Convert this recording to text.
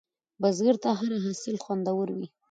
بزګر ته هره حاصل خوندور وي